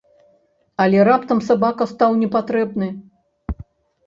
Але раптам сабака стаў непатрэбны.